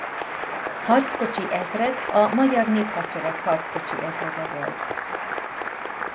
Harckocsi Ezred a Magyar Néphadsereg harckocsi ezrede volt.